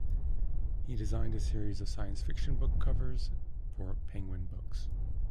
He designed a series of science fiction book covers for Penguin Books.